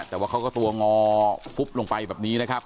แต่ว่าเขาก็ตัวงอฟุบลงไปแบบนี้นะครับ